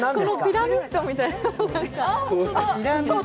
ピラミッドみたいな。